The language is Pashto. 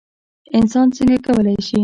انسان څه کولی شي؟